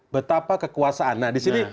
betapa kekuasaan nah di sini